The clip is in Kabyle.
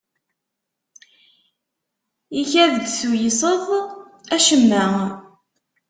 Ikad-d tuyseḍ acemma.